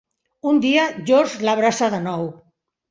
Un dia, George l'abraça de nou.